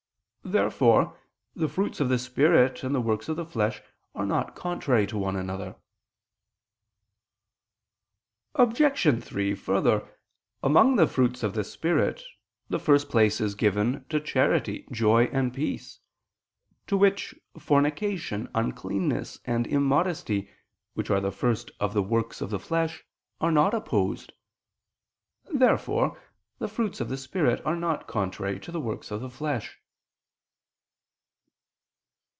Therefore the fruits of the Spirit and the works of the flesh are not contrary to one another. Obj. 3: Further, among the fruits of the Spirit, the first place is given to charity, joy, and peace: to which, fornication, uncleanness, and immodesty, which are the first of the works of the flesh, are not opposed. Therefore the fruits of the Spirit are not contrary to the works of the flesh.